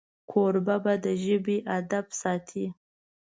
کوربه د ژبې ادب ساتي.